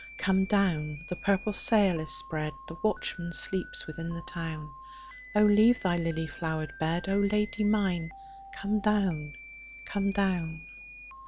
Come down! the purple sail is spread, The watchman sleeps within the town,O leave thy lily flowered bed,O Lady mine come down, come down!